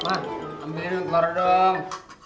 mak ambil yang kemaru dong